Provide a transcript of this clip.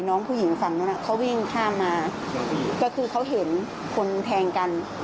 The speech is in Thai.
น้องผู้หญิงฝั่งนู้นเขาวิ่งข้ามมาก็คือเขาเห็นคนแทงกัน